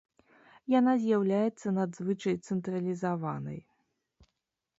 Яна з'яўляецца надзвычай цэнтралізаванай.